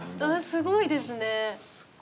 すごいですね。